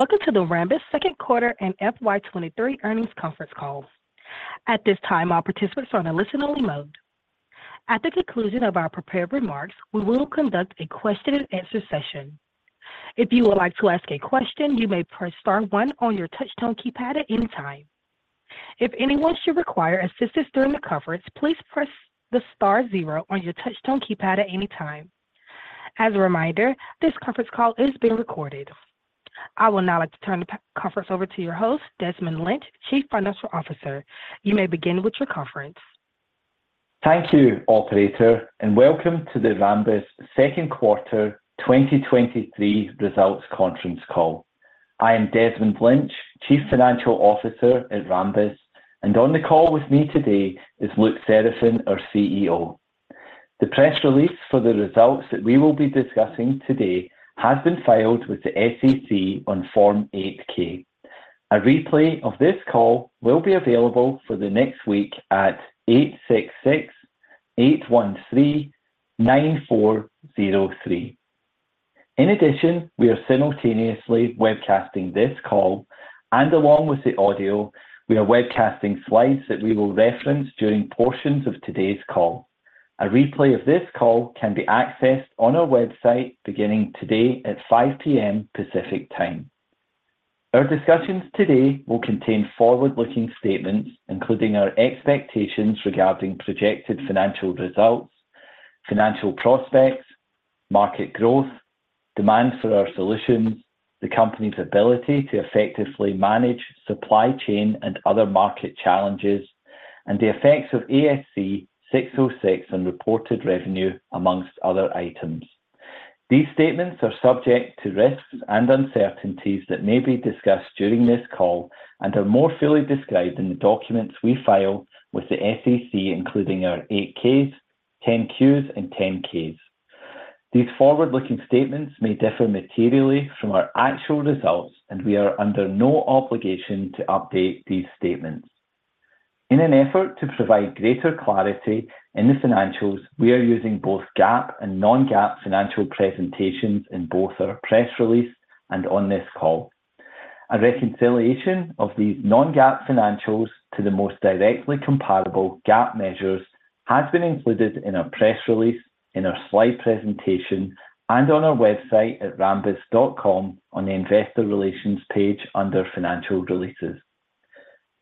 Welcome to the Rambus second quarter and FY 2023 earnings conference call. At this time, all participants are in a listen-only mode. At the conclusion of our prepared remarks, we will conduct a question and answer session. If you would like to ask a question, you may press star 1 on your touchtone keypad at any time. If anyone should require assistance during the conference, please press the star 0 on your touchtone keypad at any time. As a reminder, this conference call is being recorded. I would now like to turn the conference over to your host, Desmond Lynch, Chief Financial Officer. You may begin with your conference. Thank you, operator, welcome to the Rambus second quarter 2023 results conference call. I am Desmond Lynch, Chief Financial Officer at Rambus, and on the call with me today is Luc Seraphin, our CEO. The press release for the results that we will be discussing today has been filed with the SEC on Form 8-K. A replay of this call will be available for the next week at 866-813-9403. In addition, we are simultaneously webcasting this call, and along with the audio, we are webcasting slides that we will reference during portions of today's call. A replay of this call can be accessed on our website beginning today at 5:00PM Pacific Time. Our discussions today will contain forward-looking statements, including our expectations regarding projected financial results, financial prospects, market growth, demand for our solutions, the company's ability to effectively manage supply chain and other market challenges, and the effects of ASC 606 on reported revenue, amongst other items. These statements are subject to risks and uncertainties that may be discussed during this call and are more fully described in the documents we file with the SEC, including our 8-Ks, 10-Qs, and 10-Ks. These forward-looking statements may differ materially from our actual results. We are under no obligation to update these statements. In an effort to provide greater clarity in the financials, we are using both GAAP and non-GAAP financial presentations in both our press release and on this call. A reconciliation of these non-GAAP financials to the most directly comparable GAAP measures has been included in our press release, in our slide presentation, and on our website at rambus.com on the Investor Relations page under Financial Releases.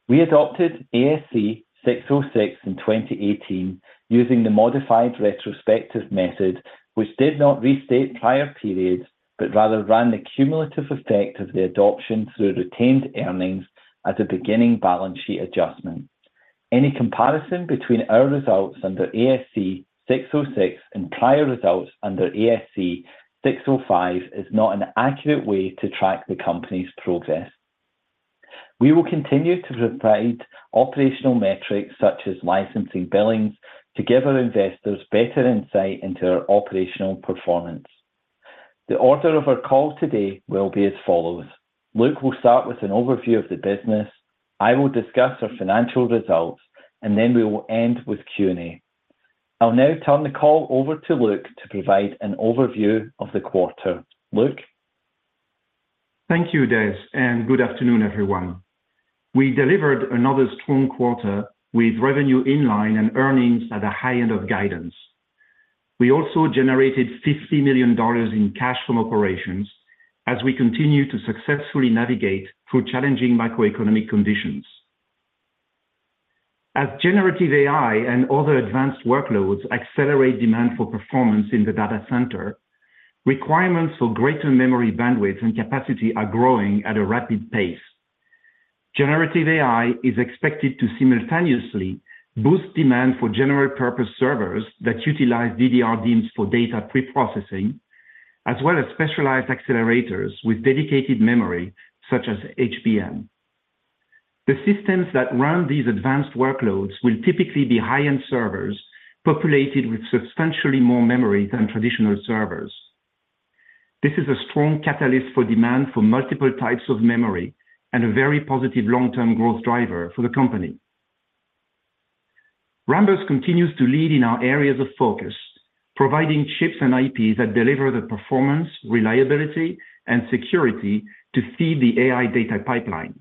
We adopted ASC 606 in 2018 using the modified retrospective method, which did not restate prior periods, but rather ran the cumulative effect of the adoption through retained earnings as a beginning balance sheet adjustment. Any comparison between our results under ASC 606 and prior results under ASC 605 is not an accurate way to track the company's progress. We will continue to provide operational metrics such as licensing billings to give our investors better insight into our operational performance. The order of our call today will be as follows: Luc will start with an overview of the business, I will discuss our financial results, then we will end with Q&A. I'll now turn the call over to Luc to provide an overview of the quarter. Luc? Thank you, Des, and good afternoon, everyone. We delivered another strong quarter with revenue in line and earnings at the high end of guidance. We also generated $50 million in cash from operations as we continue to successfully navigate through challenging macroeconomic conditions. As generative AI and other advanced workloads accelerate demand for performance in the data center, requirements for greater memory bandwidth and capacity are growing at a rapid pace. Generative AI is expected to simultaneously boost demand for general purpose servers that utilize DDR DIMMs for data preprocessing, as well as specialized accelerators with dedicated memory, such as HBM. The systems that run these advanced workloads will typically be high-end servers populated with substantially more memory than traditional servers. This is a strong catalyst for demand for multiple types of memory and a very positive long-term growth driver for the company. Rambus continues to lead in our areas of focus, providing chips and IPs that deliver the performance, reliability, and security to feed the AI data pipeline.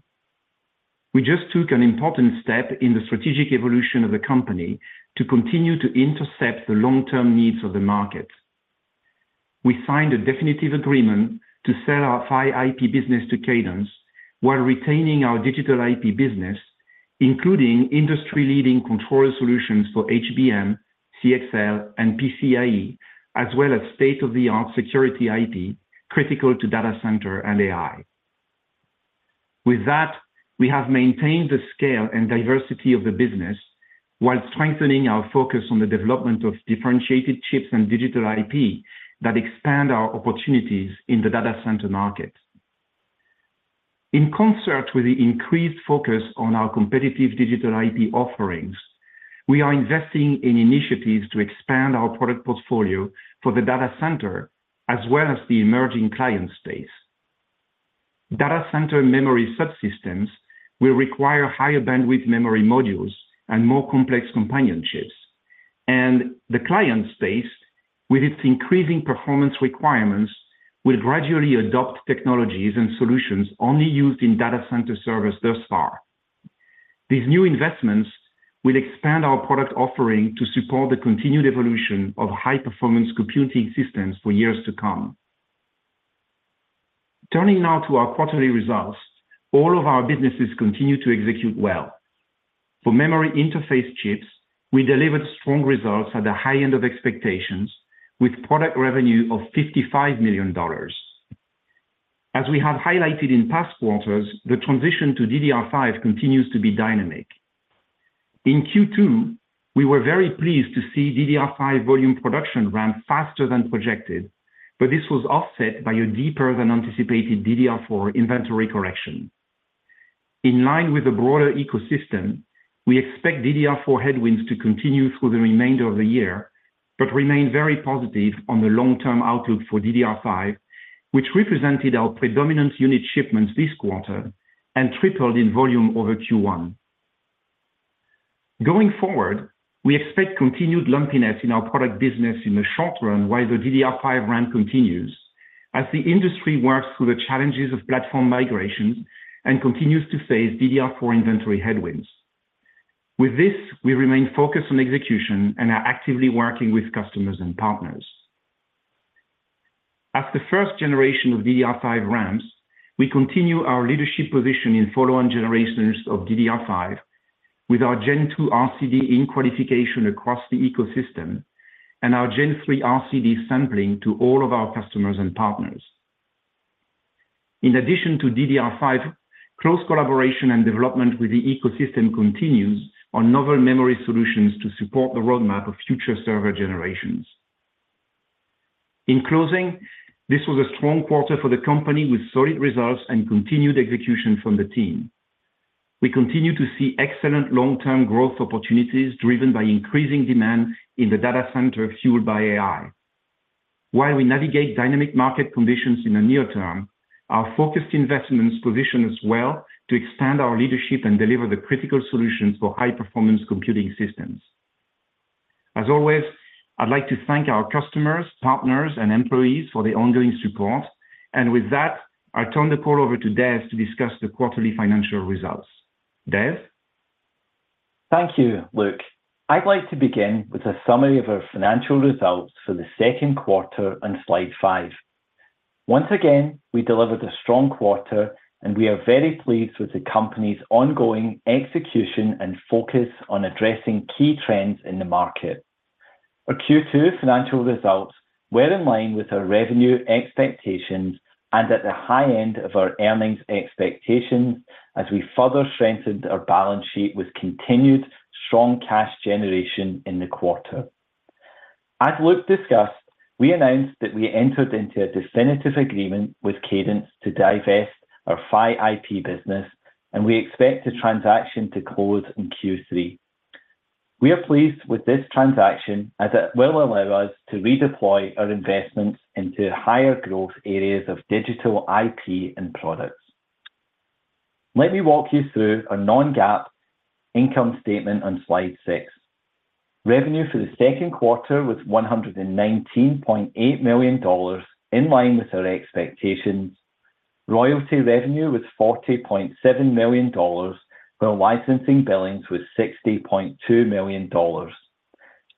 We just took an important step in the strategic evolution of the company to continue to intercept the long-term needs of the market. We signed a definitive agreement to sell our PHY IP business to Cadence while retaining our digital IP business, including industry-leading control solutions for HBM, CXL, and PCIe, as well as state-of-the-art security IP, critical to data center and AI. With that, we have maintained the scale and diversity of the business while strengthening our focus on the development of differentiated chips and digital IP that expand our opportunities in the data center market. In concert with the increased focus on our competitive digital IP offerings, we are investing in initiatives to expand our product portfolio for the data center as well as the emerging client space. Data center memory subsystems will require higher bandwidth memory modules and more complex companion chips. The client space, with its increasing performance requirements, will gradually adopt technologies and solutions only used in data center servers thus far. These new investments will expand our product offering to support the continued evolution of high-performance computing systems for years to come. Turning now to our quarterly results, all of our businesses continue to execute well. For Memory Interface Chips, we delivered strong results at the high end of expectations, with product revenue of $55 million. As we have highlighted in past quarters, the transition to DDR5 continues to be dynamic. In Q2, we were very pleased to see DDR5 volume production run faster than projected, but this was offset by a deeper than anticipated DDR4 inventory correction. In line with the broader ecosystem, we expect DDR4 headwinds to continue through the remainder of the year, but remain very positive on the long-term outlook for DDR5, which represented our predominant unit shipments this quarter and tripled in volume over Q1. Going forward, we expect continued lumpiness in our product business in the short run, while the DDR5 ramp continues, as the industry works through the challenges of platform migration and continues to face DDR4 inventory headwinds. With this, we remain focused on execution and are actively working with customers and partners. As the first generation of DDR5 ramps, we continue our leadership position in follow-on generations of DDR5 with our Gen2 RCD in qualification across the ecosystem and our Gen3 RCD sampling to all of our customers and partners. In addition to DDR5, close collaboration and development with the ecosystem continues on novel memory solutions to support the roadmap of future server generations. In closing, this was a strong quarter for the company, with solid results and continued execution from the team. We continue to see excellent long-term growth opportunities, driven by increasing demand in the data center, fueled by AI. While we navigate dynamic market conditions in the near term, our focused investments position us well to expand our leadership and deliver the critical solutions for high-performance computing systems. As always, I'd like to thank our customers, partners, and employees for the ongoing support. With that, I turn the call over to Des to discuss the quarterly financial results. Des? Thank you, Luc. I'd like to begin with a summary of our financial results for the second quarter on slide 5. Once again, we delivered a strong quarter, and we are very pleased with the company's ongoing execution and focus on addressing key trends in the market. Our Q2 financial results were in line with our revenue expectations and at the high end of our earnings expectations, as we further strengthened our balance sheet with continued strong cash generation in the quarter. As Luc discussed, we announced that we entered into a definitive agreement with Cadence to divest our PHY IP business, and we expect the transaction to close in Q3. We are pleased with this transaction, as it will allow us to redeploy our investments into higher growth areas of digital IP and products. Let me walk you through our non-GAAP income statement on slide 6. Revenue for the second quarter was $119.8 million, in line with our expectations. Royalty revenue was $40.7 million, while licensing billings was $60.2 million.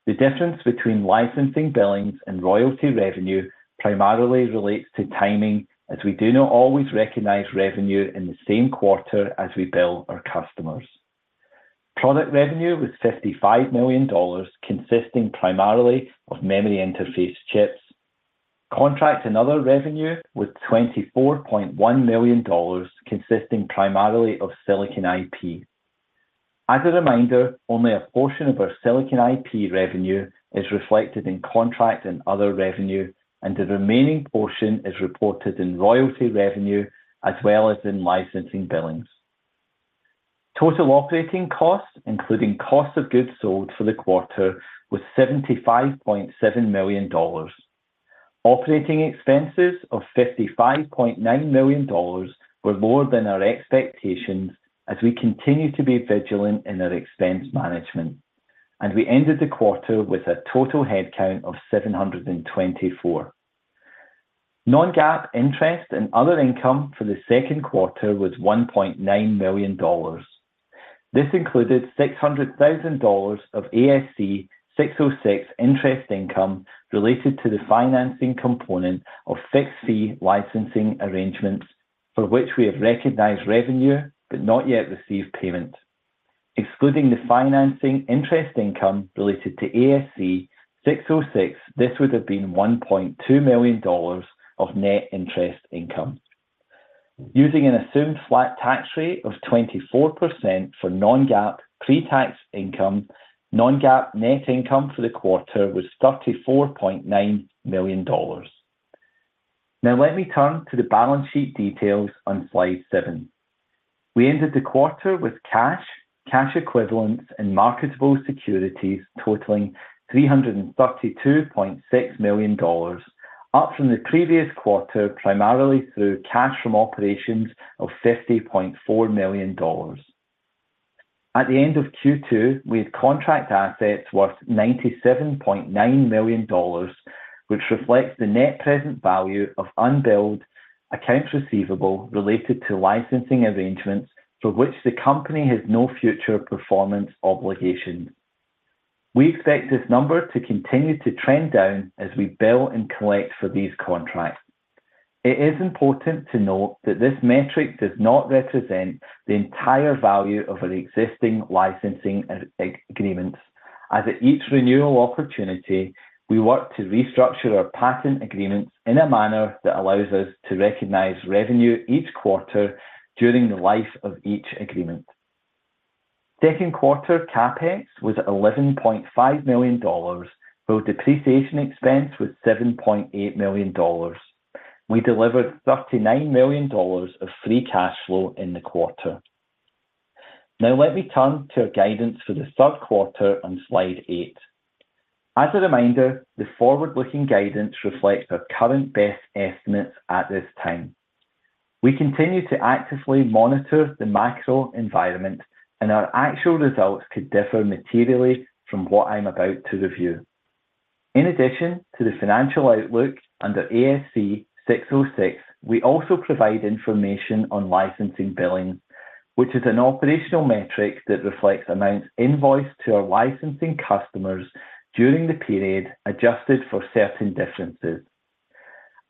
The difference between licensing billings and royalty revenue primarily relates to timing, as we do not always recognize revenue in the same quarter as we bill our customers. Product revenue was $55 million, consisting primarily of Memory Interface Chips. Contract and other revenue was $24.1 million, consisting primarily of Silicon IP. As a reminder, only a portion of our Silicon IP revenue is reflected in contract and other revenue, and the remaining portion is reported in royalty revenue as well as in licensing billings. Total operating costs, including cost of goods sold for the quarter, was $75.7 million. Operating expenses of $55.9 million were more than our expectations as we continue to be vigilant in our expense management. We ended the quarter with a total headcount of 724. Non-GAAP interest and other income for the second quarter was $1.9 million. This included $600,000 of ASC 606 interest income related to the financing component of fixed-fee licensing arrangements, for which we have recognized revenue but not yet received payment. Excluding the financing interest income related to ASC 606, this would have been $1.2 million of net interest income. Using an assumed flat tax rate of 24% for non-GAAP pre-tax income, non-GAAP net income for the quarter was $34.9 million. Now, let me turn to the balance sheet details on slide 7. We ended the quarter with cash, cash equivalents, and marketable securities totaling $332.6 million, up from the previous quarter, primarily through cash from operations of $50.4 million. At the end of Q2, we had contract assets worth $97.9 million, which reflects the net present value of unbilled accounts receivable related to licensing arrangements for which the company has no future performance obligation. We expect this number to continue to trend down as we bill and collect for these contracts. It is important to note that this metric does not represent the entire value of our existing licensing and agreements, as at each renewal opportunity, we work to restructure our patent agreements in a manner that allows us to recognize revenue each quarter during the life of each agreement. Second quarter CapEx was $11.5 million, while depreciation expense was $7.8 million. We delivered $39 million of free cash flow in the quarter. Now let me turn to our guidance for the third quarter on slide 8. As a reminder, the forward-looking guidance reflects our current best estimates at this time. We continue to actively monitor the macro environment, our actual results could differ materially from what I'm about to review. In addition to the financial outlook under ASC 606, we also provide information on licensing billings, which is an operational metric that reflects amounts invoiced to our licensing customers during the period, adjusted for certain differences.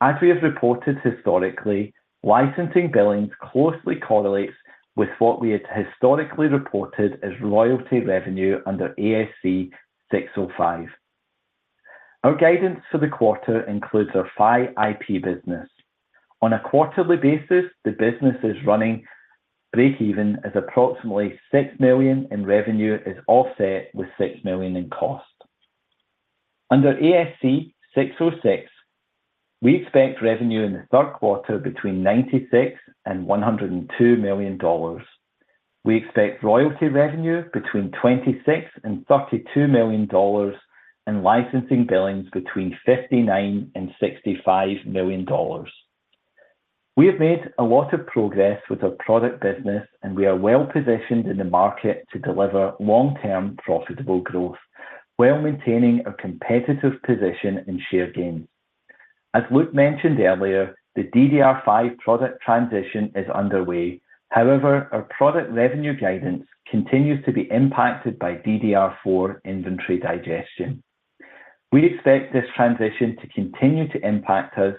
As we have reported historically, licensing billings closely correlates with what we had historically reported as royalty revenue under ASC 605. Our guidance for the quarter includes our PHY IP business. On a quarterly basis, the business is running breakeven, as approximately $6 million in revenue is offset with $6 million in cost. Under ASC 606, we expect revenue in the third quarter between $96 million and $102 million. We expect royalty revenue between $26 million and $32 million, and licensing billings between $59 million and $65 million. We have made a lot of progress with our product business, and we are well positioned in the market to deliver long-term profitable growth while maintaining our competitive position and share gains. As Luc mentioned earlier, the DDR5 product transition is underway. However, our product revenue guidance continues to be impacted by DDR4 inventory digestion. We expect this transition to continue to impact us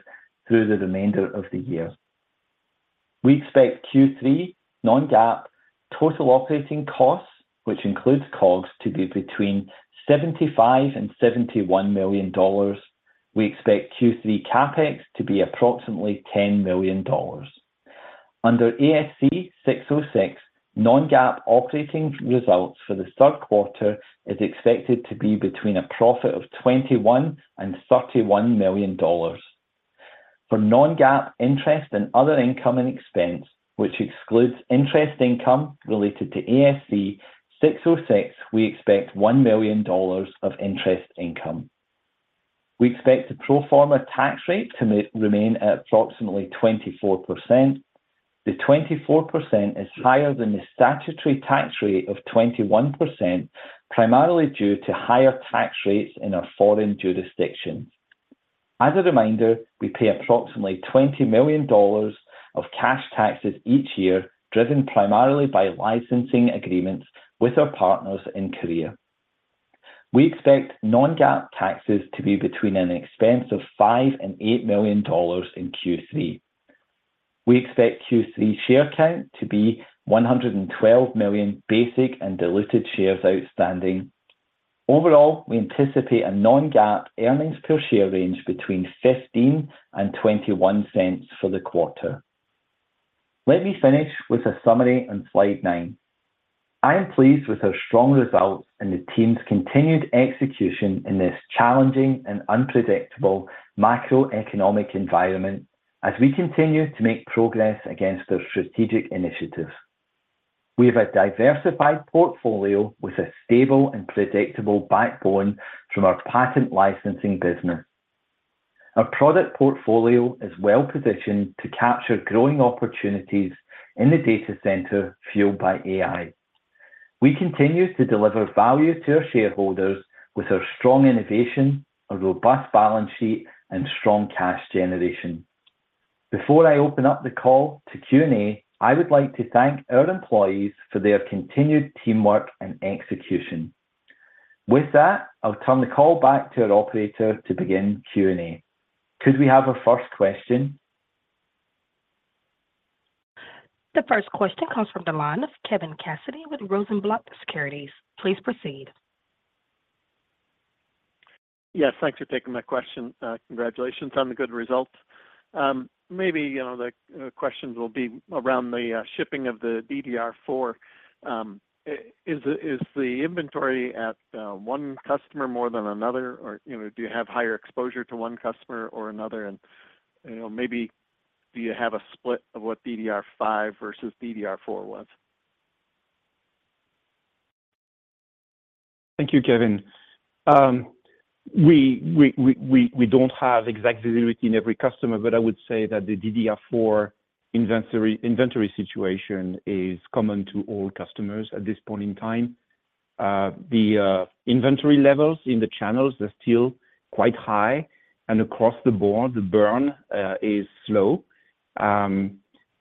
through the remainder of the year. We expect Q3 non-GAAP total operating costs, which includes COGS, to be between $75 million and $71 million. We expect Q3 CapEx to be approximately $10 million. Under ASC 606, non-GAAP operating results for the third quarter is expected to be between a profit of $21 million and $31 million. For non-GAAP interest and other income and expense, which excludes interest income related to ASC 606, we expect $1 million of interest income. We expect the pro forma tax rate to remain at approximately 24%. The 24% is higher than the statutory tax rate of 21%, primarily due to higher tax rates in our foreign jurisdictions. As a reminder, we pay approximately $20 million of cash taxes each year, driven primarily by licensing agreements with our partners in Korea. We expect non-GAAP taxes to be between an expense of $5 million and $8 million in Q3. We expect Q3 share count to be 112 million basic and diluted shares outstanding. Overall, we anticipate a non-GAAP earnings per share range between $0.15 and $0.21 for the quarter. Let me finish with a summary on slide 9. I am pleased with our strong results and the team's continued execution in this challenging and unpredictable macroeconomic environment, as we continue to make progress against our strategic initiatives. We have a diversified portfolio with a stable and predictable backbone from our patent licensing business. Our product portfolio is well positioned to capture growing opportunities in the data center, fueled by AI. We continue to deliver value to our shareholders with our strong innovation, a robust balance sheet, and strong cash generation. Before I open up the call to Q&A, I would like to thank our employees for their continued teamwork and execution. I'll turn the call back to our operator to begin Q&A. Could we have our first question? The first question comes from the line of Kevin Cassidy with Rosenblatt Securities. Please proceed. Yes, thanks for taking my question. Congratulations on the good results. Maybe, you know, the questions will be around the shipping of the DDR4. Is the, is the inventory at one customer more than another? You know, do you have higher exposure to one customer or another? You know, maybe do you have a split of what DDR5 versus DDR4 was?... Thank you, Kevin. We, we, we, we, we don't have exact visibility in every customer, but I would say that the DDR4 inventory, inventory situation is common to all customers at this point in time. The inventory levels in the channels are still quite high, and across the board, the burn is slow. On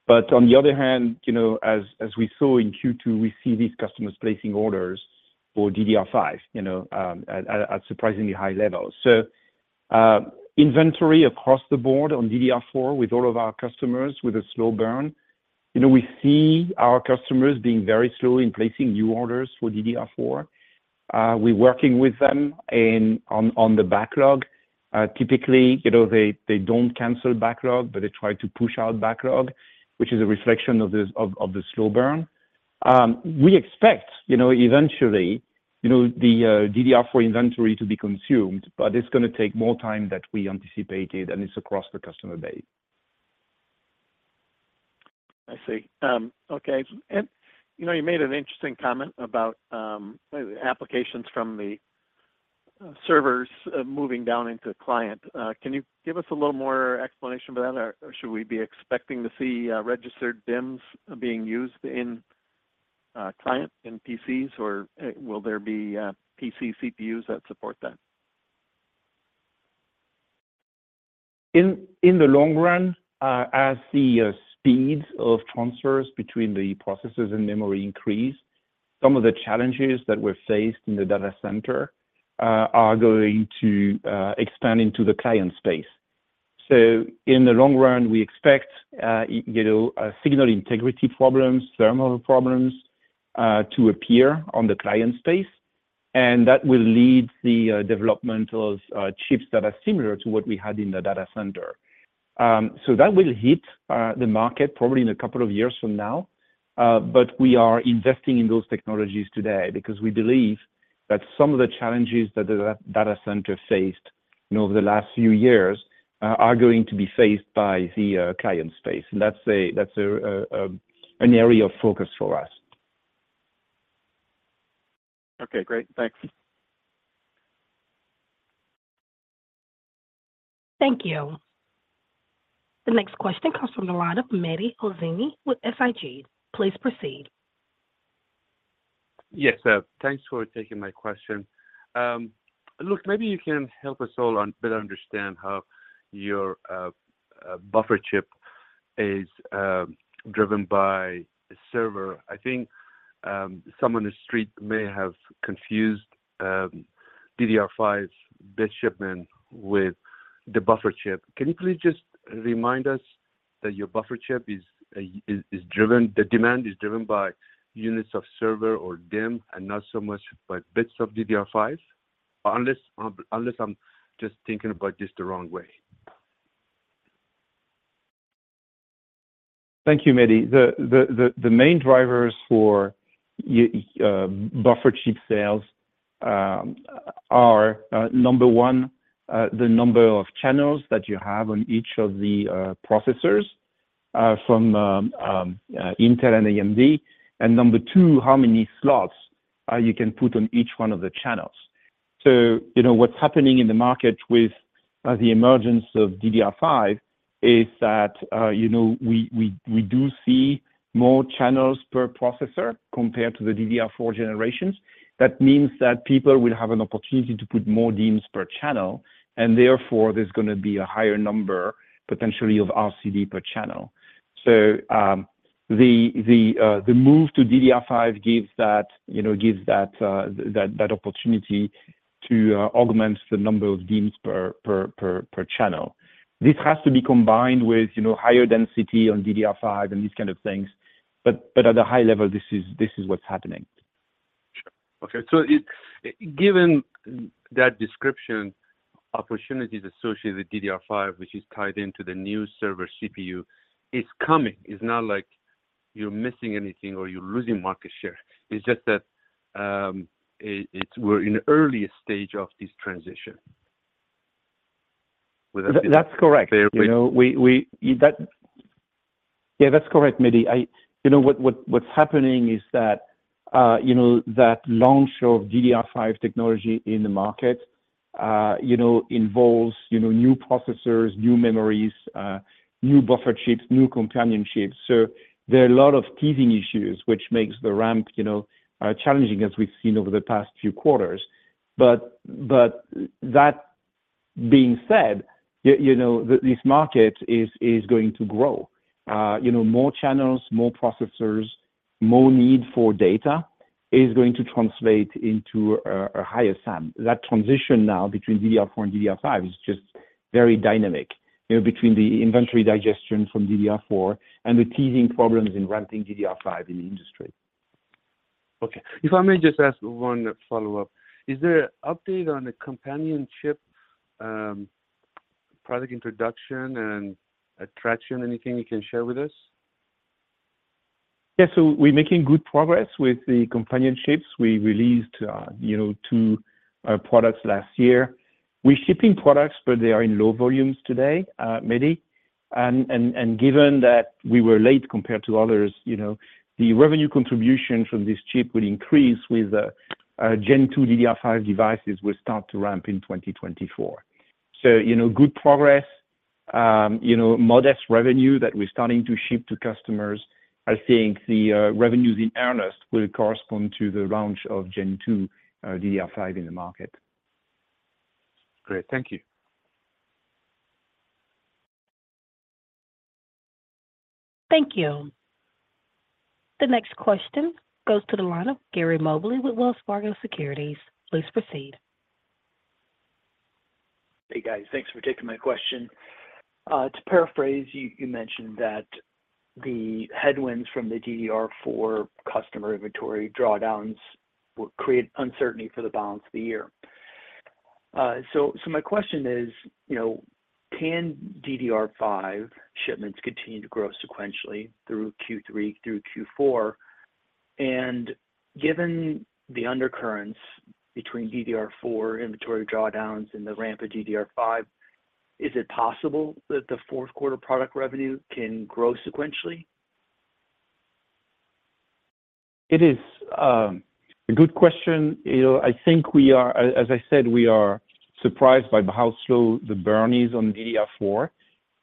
the other hand, you know, as, as we saw in Q2, we see these customers placing orders for DDR5, you know, at, at, at surprisingly high levels. Inventory across the board on DDR4 with all of our customers with a slow burn, you know, we see our customers being very slow in placing new orders for DDR4. We're working with them in, on, on the backlog. Typically, you know, they, they don't cancel backlog, but they try to push out backlog, which is a reflection of the, of, of the slow burn. We expect, you know, eventually, you know, the DDR4 inventory to be consumed, but it's gonna take more time than we anticipated, and it's across the customer base. I see. Okay. You know, you made an interesting comment about applications from the servers moving down into client. Can you give us a little more explanation for that, or should we be expecting to see registered DIMMs being used in client, in PCs, or will there be PC CPUs that support that? In the long run, as the speed of transfers between the processors and memory increase, some of the challenges that we've faced in the data center are going to expand into the client space. In the long run, we expect, you know, signal integrity problems, thermal problems to appear on the client space, and that will lead the development of chips that are similar to what we had in the data center. That will hit the market probably in a couple of years from now, but we are investing in those technologies today because we believe that some of the challenges that the data center faced, you know, over the last few years, are, are going to be faced by the client space, and that's a, that's a, a, an area of focus for us. Okay, great. Thanks. Thank you. The next question comes from the line of Mehdi Hosseini with SIG. Please proceed. Yes, thanks for taking my question. Look, maybe you can help us all on better understand how your buffer chip is driven by a server. I think someone on the street may have confused DDR5's bit shipment with the buffer chip. Can you please just remind us that your buffer chip is, is, is driven, the demand is driven by units of server or DIMM and not so much by bits of DDR5? Unless, unless I'm just thinking about this the wrong way. The main drivers for buffer chip sales are, number one, the number of channels that you have on each of the processors from Intel and Advanced Micro Devices. And number two, how many slots you can put on each one of the channels. So you know, what's happening in the market with the emergence of DDR5 is that, you know, we do see more channels per processor compared to the DDR4 generations. That means that people will have an opportunity to put more DIMMs per channel, and therefore, there's gonna be a higher number, potentially of RCD per channel. So the move to DDR5 gives that, you know, gives that opportunity to augment the number of DIMMs per channelThis has to be combined with, you know, higher density on DDR5 and these kind of things, but, but at a high level, this is, this is what's happening. Sure. Okay, so it... Given that description, opportunities associated with DDR5, which is tied into the new server CPU, is coming. It's not like you're missing anything or you're losing market share. It's just that it's we're in the earliest stage of this transition. Would that be? That's correct. Fair. You know, we. That. Yeah, that's correct, Mehdi. I, you know, what's happening is that, you know, that launch of DDR5 technology in the market, you know, involves, you know, new processors, new memories, new buffer chips, new companion chips. There are a lot of teething issues, which makes the ramp, you know, challenging as we've seen over the past few quarters. That being said, you know, this market is going to grow. You know, more channels, more processors, more need for data is going to translate into a higher sum. That transition now between DDR4 and DDR5 is just very dynamic, you know, between the inventory digestion from DDR4 and the teething problems in ramping DDR5 in the industry. Okay. If I may just ask one follow-up. Is there an update on the Companion chip, product introduction and attraction? Anything you can share with us? Yeah. We're making good progress with the companion chips. We released, you know, two products last year. We're shipping products, but they are in low volumes today, Mehdi. Given that we were late compared to others, you know, the revenue contribution from this chip will increase with the Gen2 DDR5 devices will start to ramp in 2024. You know, good progress, you know, modest revenue that we're starting to ship to customers. I think the revenues in earnest will correspond to the launch of Gen2 DDR5 in the market. Great. Thank you. Thank you. The next question goes to the line of Gary Mobley with Wells Fargo Securities. Please proceed. Hey, guys. Thanks for taking my question. To paraphrase, you, you mentioned that the headwinds from the DDR4 customer inventory drawdowns will create uncertainty for the balance of the year. So my question is, you know, can DDR5 shipments continue to grow sequentially through Q3 through Q4? Given the undercurrents between DDR4 inventory drawdowns and the ramp of DDR5, is it possible that the fourth quarter product revenue can grow sequentially? It is a good question. You know, I think we are as I said, we are surprised by how slow the burn is on DDR4.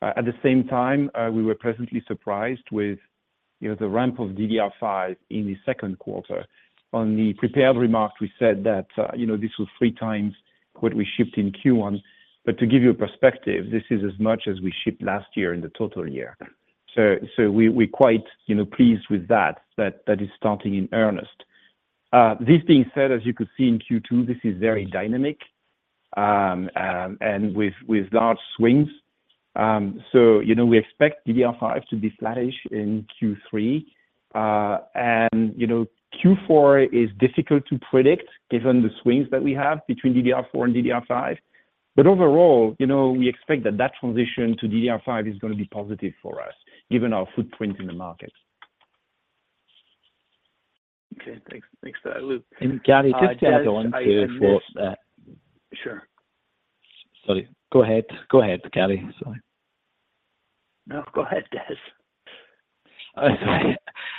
At the same time, we were pleasantly surprised with, you know, the ramp of DDR5 in the second quarter. On the prepared remarks, we said that, you know, this was 3 times what we shipped in Q1, but to give you a perspective, this is as much as we shipped last year in the total year. We, we're quite, you know, pleased with that, that, that is starting in earnest. This being said, as you could see in Q2, this is very dynamic, and with, with large swings. You know, we expect DDR5 to be flattish in Q3. You know, Q4 is difficult to predict given the swings that we have between DDR4 and DDR5. Overall, you know, we expect that that transition to DDR5 is going to be positive for us, given our footprint in the market. Okay, thanks. Thanks for that, Luc. Gary, just to add on to. Sure. Sorry, go ahead. Go ahead, Gary. Sorry. No, go ahead, Des.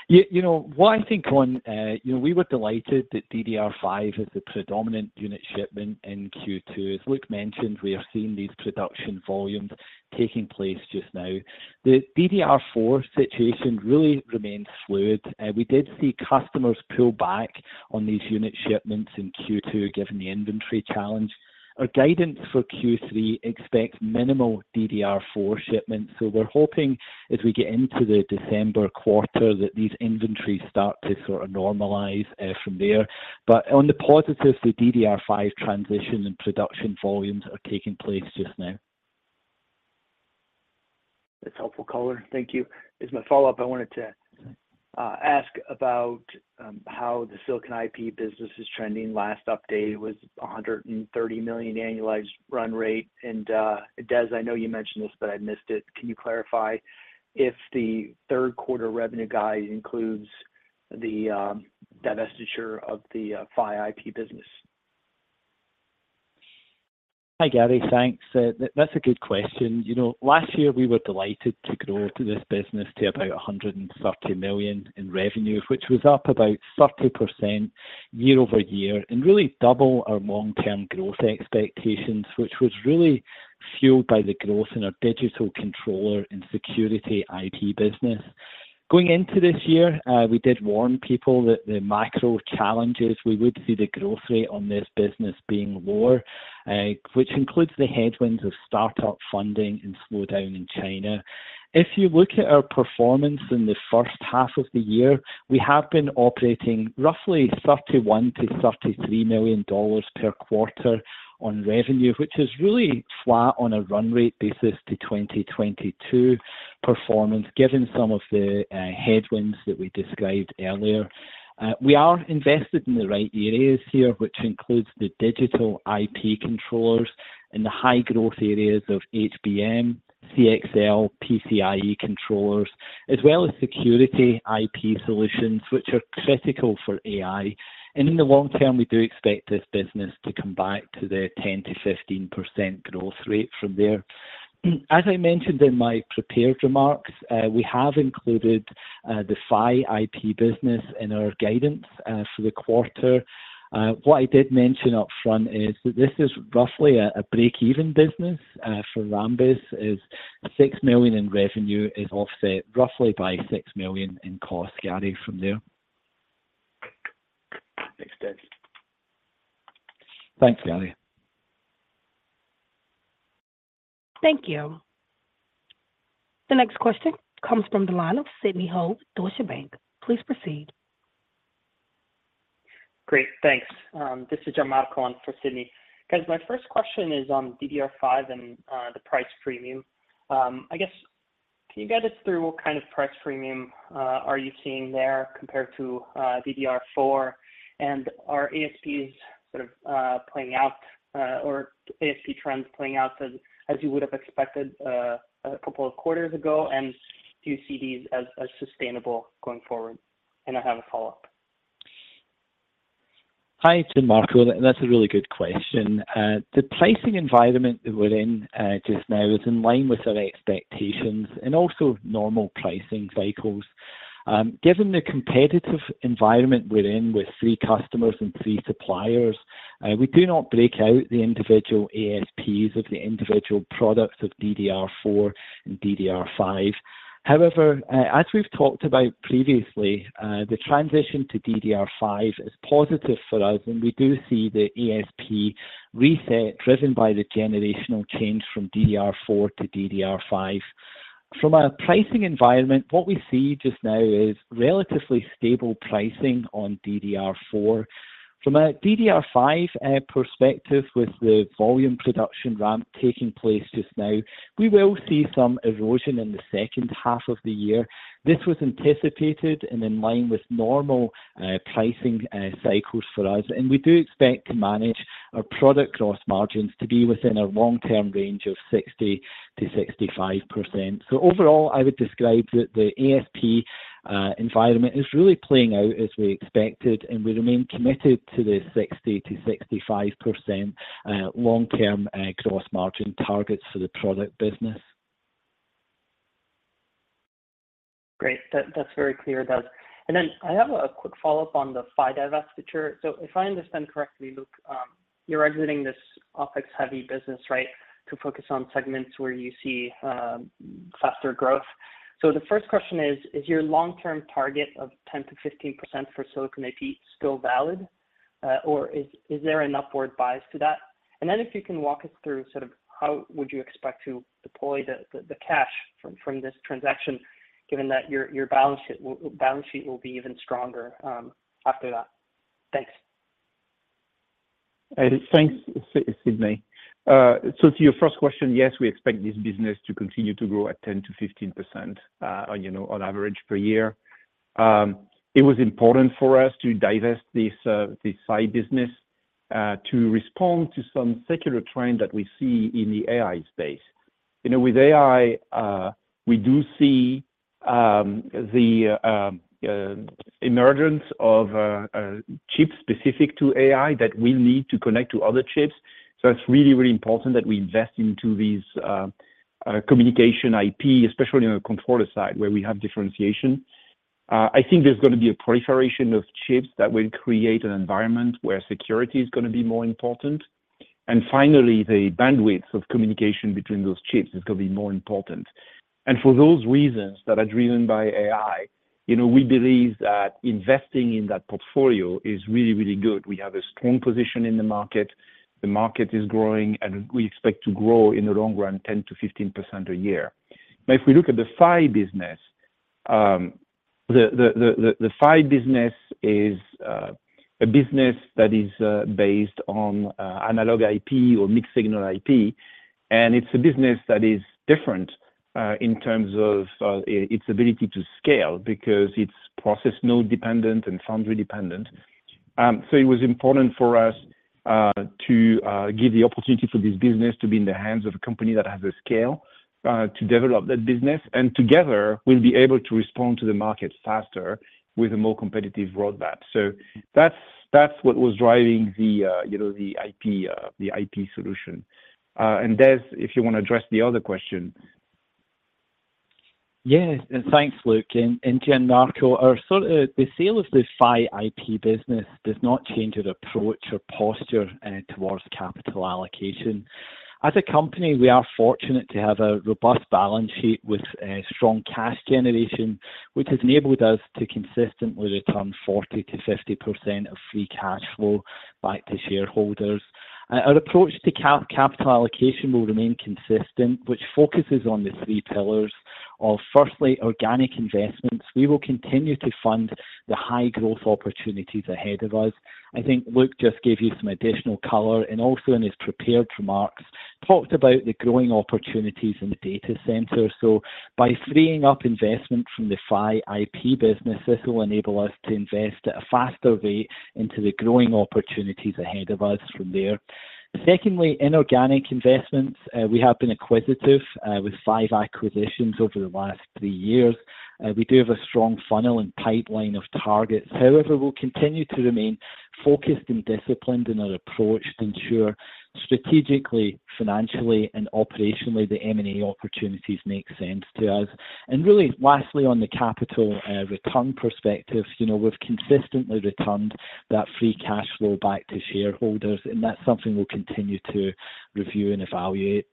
You, you know, what I think on, you know, we were delighted that DDR5 is the predominant unit shipment in Q2. As Luc mentioned, we are seeing these production volumes taking place just now. The DDR4 situation really remains fluid. We did see customers pull back on these unit shipments in Q2, given the inventory challenge. Our guidance for Q3 expects minimal DDR4 shipments. We're hoping as we get into the December quarter, that these inventories start to sort of normalize from there. On the positive, the DDR5 transition and production volumes are taking place just now. That's helpful color. Thank you. As my follow-up, I wanted to ask about how the Silicon IP business is trending. Last update, it was a $130 million annualized run rate. Des, I know you mentioned this, but I missed it. Can you clarify if the third quarter revenue guide includes the divestiture of the PHY IP business? Hi, Gary. Thanks. That's a good question. You know, last year we were delighted to grow this business to about $130 million in revenue, which was up about 30% year-over-year, and really double our long-term growth expectations, which was really fueled by the growth in our digital controller and security IP business. Going into this year, we did warn people that the macro challenges, we would see the growth rate on this business being lower, which includes the headwinds of startup funding and slowdown in China. If you look at our performance in the first half of the year, we have been operating roughly $31 million-$33 million per quarter on revenue, which is really flat on a run rate basis to 2022 performance, given some of the headwinds that we described earlier. We are invested in the right areas here, which includes the digital IP controllers and the high growth areas of HBM, CXL, PCIe controllers, as well as security IP solutions, which are critical for AI. In the long term, we do expect this business to come back to the 10%-15% growth rate from there. As I mentioned in my prepared remarks, we have included the PHY IP business in our guidance for the quarter. What I did mention upfront is that this is roughly a break-even business for Rambus, is $6 million in revenue is offset roughly by $6 million in cost, Gary, from there. Thanks, Des. Thanks, Gary. Thank you. The next question comes from the line of Sidney Ho, Deutsche Bank. Please proceed. Great, thanks. This is Gianmarco for Sidney. Guys, my first question is on DDR5 and the price premium. I guess, can you guide us through what kind of price premium are you seeing there compared to DDR4? Are ASPs sort of playing out or ASP trends playing out as, as you would have expected a couple of quarters ago, and do you see these as, as sustainable going forward? I have a follow-up.... Hi, Gianmarco, and that's a really good question. The pricing environment that we're in just now is in line with our expectations and also normal pricing cycles. Given the competitive environment we're in with 3 customers and 3 suppliers, we do not break out the individual ASPs of the individual products of DDR4 and DDR5. However, as we've talked about previously, the transition to DDR5 is positive for us, and we do see the ASP reset driven by the generational change from DDR4 to DDR5. From a pricing environment, what we see just now is relatively stable pricing on DDR4. From a DDR5 perspective, with the volume production ramp taking place just now, we will see some erosion in the second half of the year. This was anticipated and in line with normal pricing cycles for us, and we do expect to manage our product gross margins to be within a long-term range of 60%-65%. Overall, I would describe that the ASP environment is really playing out as we expected, and we remain committed to the 60%-65% long-term gross margin targets for the product business. Great. That, that's very clear, Des. I have a quick follow-up on the PHY divestiture. If I understand correctly, Luc, you're exiting this OpEx-heavy business, right, to focus on segments where you see faster growth. The first question is: Is your long-term target of 10%-15% for Silicon IP still valid, or is there an upward bias to that? Then if you can walk us through sort of how would you expect to deploy the cash from this transaction, given that your balance sheet will be even stronger after that? Thanks. Thanks, Sydney. To your first question, yes, we expect this business to continue to grow at 10%-15%, you know, on average per year. It was important for us to divest this PHY business to respond to some secular trend that we see in the AI space. You know, with AI, we do see the emergence of chips specific to AI that will need to connect to other chips. It's really, really important that we invest into these communication IP, especially on the controller side, where we have differentiation. I think there's going to be a proliferation of chips that will create an environment where security is going to be more important. Finally, the bandwidth of communication between those chips is going to be more important. For those reasons that are driven by AI, you know, we believe that investing in that portfolio is really, really good. We have a strong position in the market. The market is growing, and we expect to grow in the long run, 10%-15% a year. If we look at the PHY business, the PHY business is a business that is based on analog IP or mixed-signal IP, and it's a business that is different in terms of its ability to scale because it's process node dependent and foundry dependent. It was important for us to give the opportunity for this business to be in the hands of a company that has the scale to develop that business, and together, we'll be able to respond to the market faster with a more competitive roadmap. That's, that's what was driving the, you know, the IP, the IP solution. Des, if you want to address the other question. Yes, thanks, Luc and, and Gianmarco. The sale of the PHY IP business does not change our approach or posture towards capital allocation. As a company, we are fortunate to have a robust balance sheet with strong cash generation, which has enabled us to consistently return 40%-50% of free cash flow back to shareholders. Our approach to capital allocation will remain consistent, which focuses on the 3 pillars of, firstly, organic investments. We will continue to fund the high growth opportunities ahead of us. I think Luc just gave you some additional color, and also in his prepared remarks, talked about the growing opportunities in the data center. By freeing up investment from the PHY IP business, this will enable us to invest at a faster rate into the growing opportunities ahead of us from there. Secondly, inorganic investments. We have been acquisitive, with five acquisitions over the last three years. We do have a strong funnel and pipeline of targets. However, we'll continue to remain focused and disciplined in our approach to ensure strategically, financially, and operationally, the M&A opportunities make sense to us. Really, lastly, on the capital return perspective, you know, we've consistently returned that free cash flow back to shareholders, and that's something we'll continue to review and evaluate.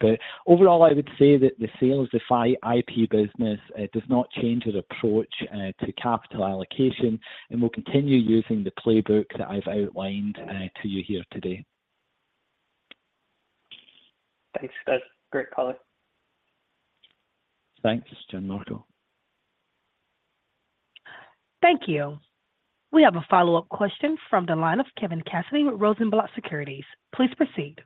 Overall, I would say that the sales of PHY IP business does not change our approach to capital allocation, and we'll continue using the playbook that I've outlined to you here today. Thanks, Des. Great call. Thanks, Gianmarco. Thank you. We have a follow-up question from the line of Kevin Cassidy with Rosenblatt Securities. Please proceed.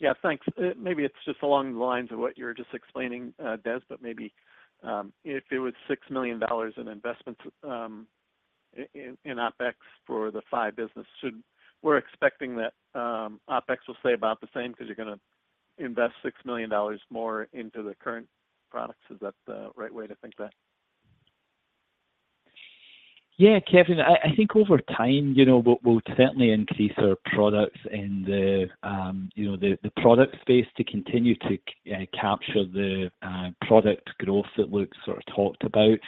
Yeah, thanks. Maybe it's just along the lines of what you were just explaining, Des, but maybe, if it was $6 million in investments, in OpEx for the PHY business. We're expecting that OpEx will stay about the same because you're gonna invest $6 million more into the current products. Is that the right way to think that? Kevin, I, I think over time, you know, we'll, we'll certainly increase our products in the, you know, the, the product space to continue to capture the product growth that Luc sort of talked about.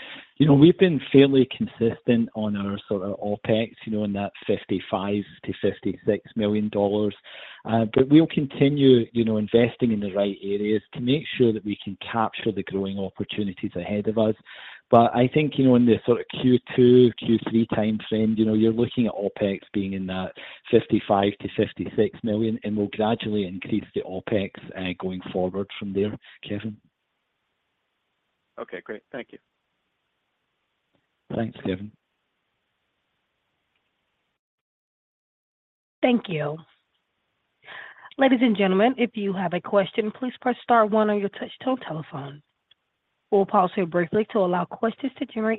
You know, we've been fairly consistent on our sort of OpEx, you know, in that $55 million-$56 million. We'll continue, you know, investing in the right areas to make sure that we can capture the growing opportunities ahead of us. I think, you know, in the sort of Q2, Q3 time frame, you know, you're looking at OpEx being in that $55 million-$56 million, and we'll gradually increase the OpEx going forward from there, Kevin. Okay, great. Thank you. Thanks, Kevin. Thank you. Ladies and gentlemen, if you have a question, please press star one on your touch tone telephone. We'll pause here briefly to allow questions to generate in-